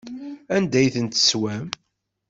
Anda ay ten-teswam?